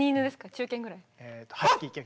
中犬ぐらい？